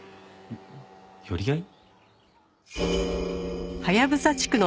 寄り合い？